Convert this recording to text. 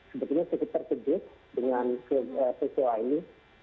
sebetulnya sedikit terkejut dengan kecoa ini